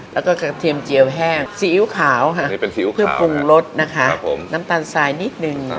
และก็แฮงกระเทียมเจียวสีอิ๊วขาวน้ำตาลสายนิดหนึ่ง